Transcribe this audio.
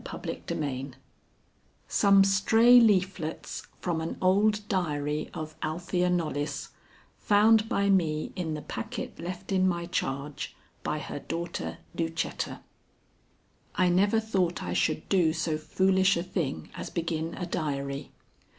EPILOGUE SOME STRAY LEAFLETS FROM AN OLD DIARY OF ALTHEA KNOLLYS, FOUND BY ME IN THE PACKET LEFT IN MY CHARGE BY HER DAUGHTER LUCETTA. I never thought I should do so foolish a thing as begin a diary.